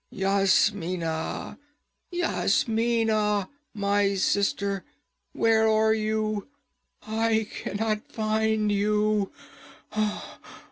'Yasmina! Yasmina! My sister, where are you? I can not find you.